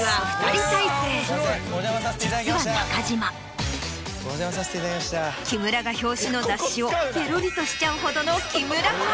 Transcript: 実は中島木村が表紙の雑誌をペロリとしちゃうほどの。